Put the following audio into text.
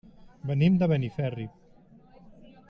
Venim de Benferri.